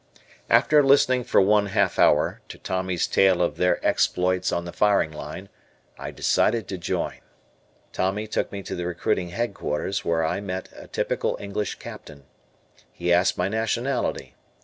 After listening for one half hour to Tommy's tale of their exploits on the firing line, I decided to join. Tommy took me to the recruiting headquarters where I met a typical English Captain. He asked my nationality.